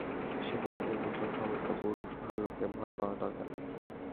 সেদিন, আমি বুঝলাম সমস্ত পুরুষ ভালুককে ভয় পাওয়ার দরকার নেই।